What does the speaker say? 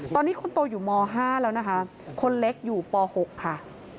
ตอนนี้คนโตอยู่ม๕แล้วนะคะคนเล็กอยู่ป๖ค่ะ